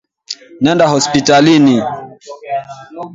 Nenda hospitalini.